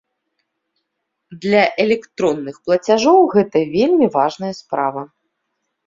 Для электронных плацяжоў гэта вельмі важная справа.